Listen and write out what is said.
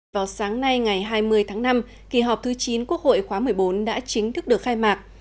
vào sáng nay ngày hai mươi tháng năm kỳ họp thứ chín quốc hội khóa một mươi bốn đã chính thức được khai mạc